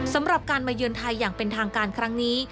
สำหรับการมาเยือนไทยอย่างเป็นทางการครั้งนี้